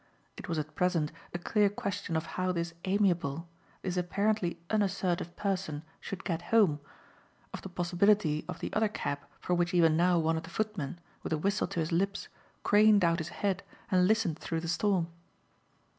It was at present a clear question of how this amiable, this apparently unassertive person should get home of the possibility of the other cab for which even now one of the footmen, with a whistle to his lips, craned out his head and listened through the storm.